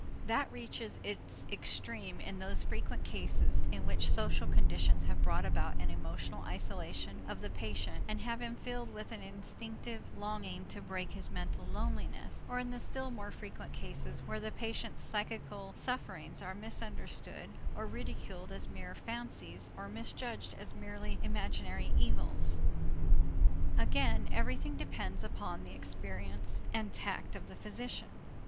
That reaches its extreme in those frequent cases in which social conditions have brought about an emotional isolation of the patient and have filled him with an instinctive longing to break his mental loneliness, or in the still more frequent cases where the patient's psychical sufferings are misunderstood or ridiculed as mere fancies or misjudged as merely imaginary evils. Again everything depends upon the experience and tact of the physician.